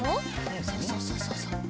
そうそうそうそうそう。